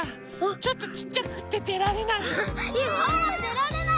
ちょっとちっちゃくてでられない。